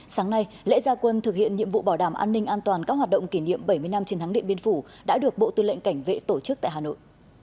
sáng nay lễ gia quân thực hiện nhiệm vụ bảo đảm an ninh an toàn các hoạt động kỷ niệm bảy mươi năm chiến thắng điện biên phủ đã được bộ tư lệnh cảnh vệ tổ chức tại hà nội